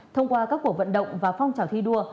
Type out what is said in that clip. thông qua các cuộc vận động và phong trào thi đua